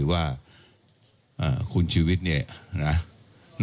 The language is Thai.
แล้วถ้าคุณชุวิตไม่ออกมาเป็นเรื่องกลุ่มมาเฟียร์จีน